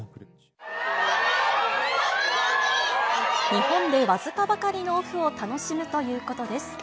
日本で僅かばかりのオフを楽しむということです。